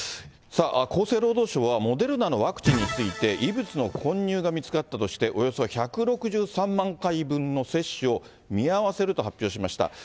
厚生労働省はモデルナのワクチンについて、異物の混入が見つかったとして、およそ１６３万回分の接種を見合わせると発表しました。